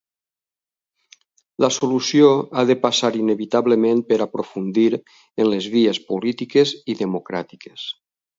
La solució ha de passar inevitablement per aprofundir en les vies polítiques i democràtiques.